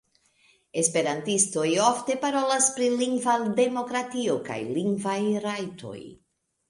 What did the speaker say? Esperantistoj ofte parolas pri lingva demokratio kaj lingvaj rajtoj.